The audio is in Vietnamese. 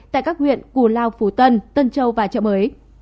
tại các huyện củ lao phú tân tân châu và chợ mới